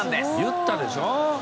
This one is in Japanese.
言ったでしょ。